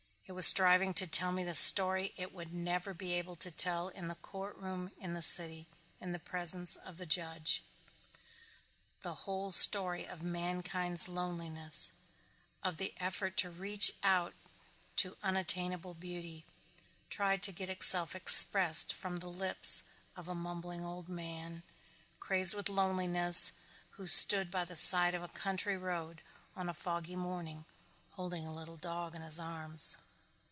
It was striving to tell me the story it would never be able to tell in the courtroom in the city, in the presence of the judge. The whole story of mankind's loneliness, of the effort to reach out to unattainable beauty tried to get itself expressed from the lips of a mumbling old man, crazed with loneliness, who stood by the side of a country road on a foggy morning holding a little dog in his arms.